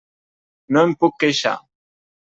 No em puc queixar.